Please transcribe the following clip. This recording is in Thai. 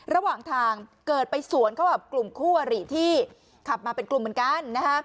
ระหว่างทางเกิดไปสวนเข้ากับกลุ่มคู่อริที่ขับมาเป็นกลุ่มเหมือนกันนะฮะ